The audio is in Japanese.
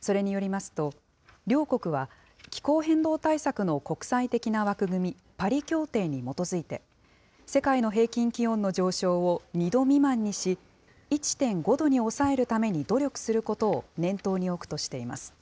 それによりますと、両国は気候変動対策の国際的な枠組み、パリ協定に基づいて、世界の平均気温の上昇を２度未満にし、１．５度に抑えるために努力することを念頭に置くとしています。